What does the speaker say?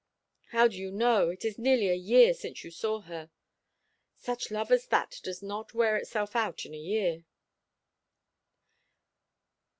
"How do you know? It is nearly a year since you saw her." "Such love as that does not wear itself out in a year."